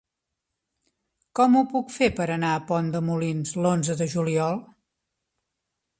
Com ho puc fer per anar a Pont de Molins l'onze de juliol?